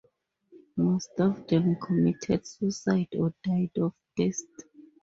Most of them committed suicide or died of thirst.